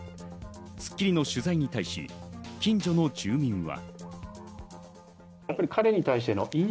『スッキリ』の取材に対し、近所の住民は。